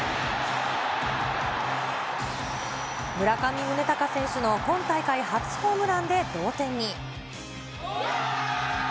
村上宗隆選手の今大会初ホームランで同点に。